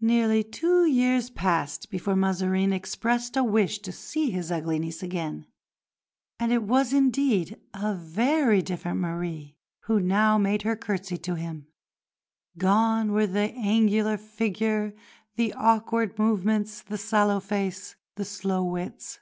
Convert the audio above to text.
Nearly two years passed before Mazarin expressed a wish to see his ugly niece again; and it was indeed a very different Marie who now made her curtsy to him. Gone were the angular figure, the awkward movements, the sallow face, the slow wits.